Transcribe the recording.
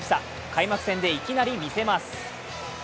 開幕戦でいきなりみせます。